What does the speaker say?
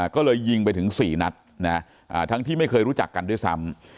ก็เลยยิงไปถึง๔นัดทั้งที่ไม่เคยรู้จักกันด้วยซ้ำ